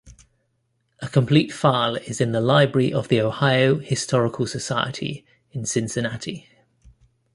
A complete file is in the library of the Ohio Historical Society in Cincinnati.